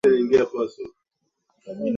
Ni muhimu kuhifadhi miti na mimea muhimu